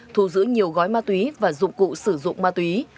thu giữ nhiều gói ma túy và dụng cụ sử dụng ma túy